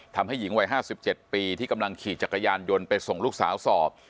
ทำให้หญิงวัย๕๗ปีที่กำลังขี่จักรยานยนต์ไปส่งลูกสาวสอบ